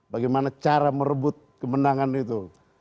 bagaimana cara merebut kemenangan itu